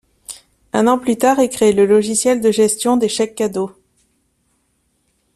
Un an plus tard est créé le logiciel de gestion des chèques cadeaux.